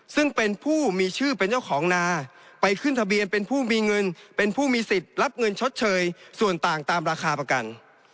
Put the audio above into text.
ซึ่งเป็นผู้มีชื่อเป็นเจ้าของนาไปขึ้นทะเบียนเป็นผู้มีเงินเป็นผู้มีสิทธิ์รับเงินชดเชยส่วนต่างตามราคาประกัน